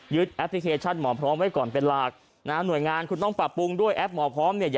แอปพลิเคชันหมอพร้อมไว้ก่อนเป็นหลักนะฮะหน่วยงานคุณต้องปรับปรุงด้วยแอปหมอพร้อมเนี่ย